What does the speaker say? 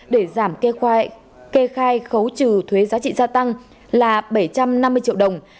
để giảm kê khai khấu trừ thuế giá trị gia tăng là bảy trăm năm mươi triệu đồng